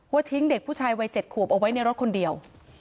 ทิ้งเด็กผู้ชายวัย๗ขวบเอาไว้ในรถคนเดียว